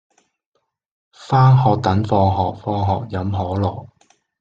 返學等放學放學飲可樂